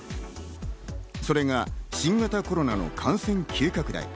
それが新型コロナの感染急拡大。